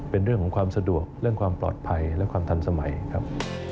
เป็นเรื่องของความสะดวกเรื่องความปลอดภัยและความทันสมัยครับ